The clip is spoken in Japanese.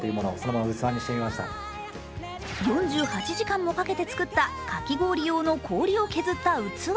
４８時間もかけて作ったかき氷用の氷を削った器。